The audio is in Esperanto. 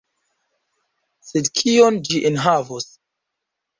Sed kion ĝi enhavos?